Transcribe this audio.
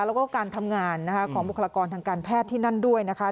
แล้วก็การทำงานนะคะของบุคลากรทางการแพทย์ที่นั่นด้วยนะคะ